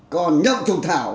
còn nhậu trùng thảo